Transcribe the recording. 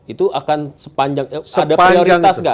itu akan sepanjang ada prioritas nggak